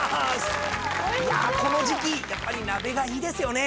この時季やっぱり鍋がいいですよね。